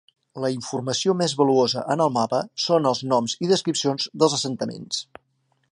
La informació més valuosa en el mapa són els noms i descripcions dels assentaments.